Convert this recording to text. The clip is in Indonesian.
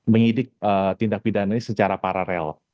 menyidik tindak pidana ini secara paralel